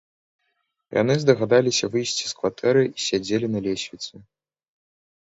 Яны здагадаліся выйсці з кватэры і сядзелі на лесвіцы.